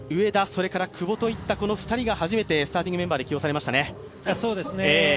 それから久保といった今２人が初めてスターティングメンバーで起用されましたね。